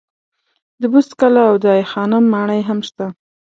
د بست کلا او دای خانم ماڼۍ هم شته.